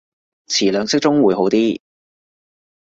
詞量適中會好啲